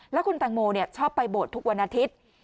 แล้วคุณแตงโมชอบไปโบสถ์ทุกวันอาทิตย์